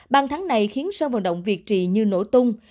bằng tháng này khiến sân vận động việt trì như nổ tung